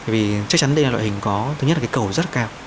vì chắc chắn đây là loại hình có thứ nhất là cái cầu rất cao